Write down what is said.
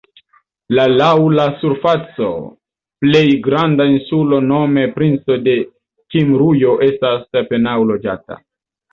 La laŭ la surfaco plej granda insulo nome Princo de Kimrujo estas apenaŭ loĝata.